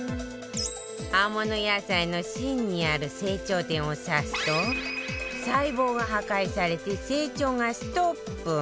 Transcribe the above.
葉物野菜の芯にある成長点を刺すと細胞が破壊されて成長がストップ